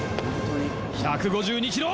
１５２キロ！